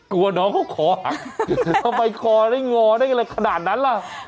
กลัวน้องเขาคอหักทำไมคอได้งอได้อะไรขนาดนั้นล่ะ